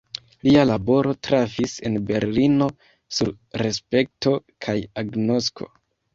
Lia laboro trafis en Berlino sur respekto kaj agnosko.